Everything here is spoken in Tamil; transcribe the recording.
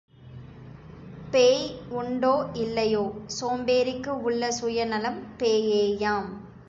பேய் உண்டோ, இல்லையோ சோம்பேறிக்கு உள்ள சுயநலம் பேயேயாம்.